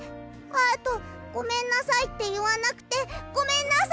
あと「ごめんなさい」っていわなくてごめんなさい！